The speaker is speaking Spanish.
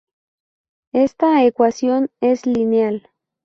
Esta ecuación es lineal.